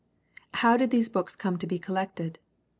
How did these books come to be collected